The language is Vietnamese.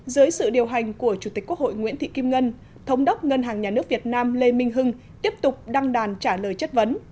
dưới sự điều hành của chủ tịch quốc hội nguyễn thị kim ngân thống đốc ngân hàng nhà nước việt nam lê minh hưng tiếp tục đăng đàn trả lời chất vấn